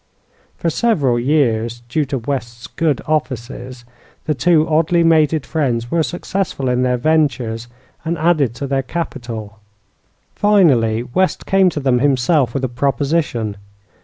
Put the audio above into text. For several years, due to West's good offices, the two oddly mated friends were successful in their ventures, and added to their capital. Finally West came to them himself with a proposition.